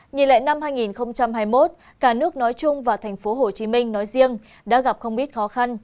nhìn lại năm hai nghìn hai mươi một cả nước nói chung và thành phố hồ chí minh nói riêng đã gặp không ít khó khăn